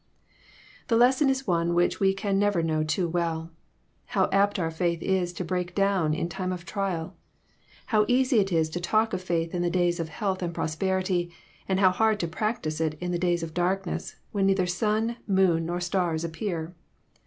The lesson is one which we can never know too well. How apt our faith is to break down in time of trial 1 How eas}'^ it is to talk of faith in the days of health and pros perity, and how hard to practise it in the days of dark ness, when neither sun, moon, nor stars appear